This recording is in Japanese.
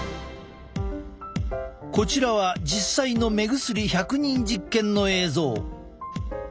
こちらは実際の目薬１００人実験の映像。